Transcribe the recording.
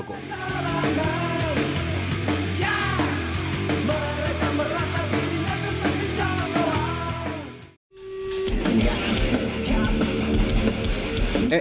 satu kian mak komen